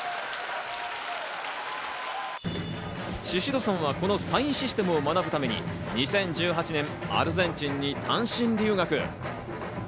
シシドさんはこのサイン・システムを学ぶために２０１８年、アルゼンチンに単身留学。